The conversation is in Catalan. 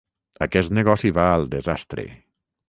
Aquest negoci va al desastre.